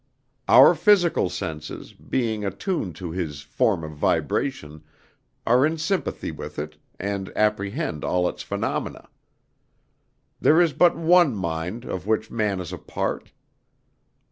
Our physical senses, being attuned to his form of vibration, are in sympathy with it, and apprehend all its phenomena. There is but one mind, of which man is a part.